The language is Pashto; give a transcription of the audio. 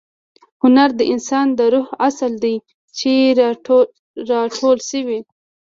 هنر د انسان د روح عسل دی چې را ټول شوی.